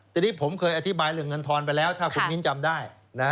ทีนี้ผมเคยอธิบายเรื่องเงินทอนไปแล้วถ้าคุณมิ้นจำได้